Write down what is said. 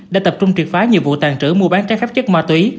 đã tập trung triệt phái nhiệm vụ tàn trữ mua bán trái phép chất ma thủy